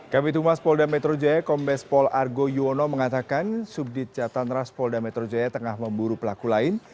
kabit humas polda metro jaya kombes pol argo yuwono mengatakan subdit jatan ras polda metro jaya tengah memburu pelaku lain